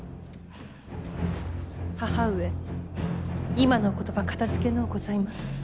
義母上今のお言葉かたじけのうございます。